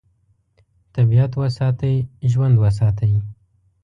طبیعت وساتئ، ژوند وساتئ.